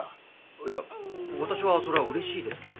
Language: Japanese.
いや私はそれはうれしいですけど。